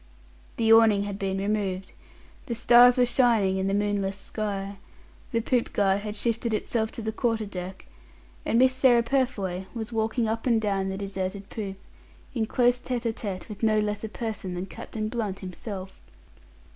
The awning had been removed, the stars were shining in the moonless sky, the poop guard had shifted itself to the quarter deck, and Miss Sarah Purfoy was walking up and down the deserted poop, in close tête à tête with no less a person than Captain Blunt himself.